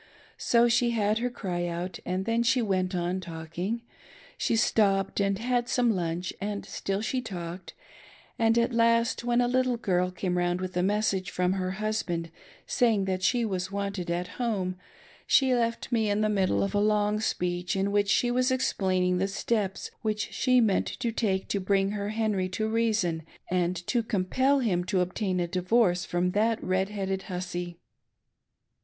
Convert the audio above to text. So she had her cry out and then she went on talking. She stopped and had some lunch, and still she talked ; and at last when a little girl came round with a message from her husband saying that she was wanted at home, sljf left me in the middle of a long speech in Which she was explaining the steps which she meant to take to bring her Henry "to reason," and to compel him to obtain a divorce from "that red headed hussy."